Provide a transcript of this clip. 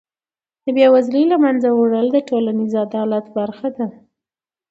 د بېوزلۍ له منځه وړل د ټولنیز عدالت برخه ده.